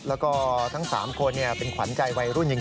แล้วก็ทั้ง๓คนเป็นขวัญใจวัยรุ่นจริง